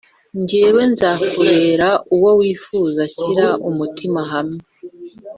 Njyewe nzakubera uwo wifuza shyira umutima hamwe